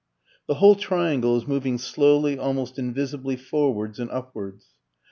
The whole triangle is moving slowly, almost invisibly forwards and upwards.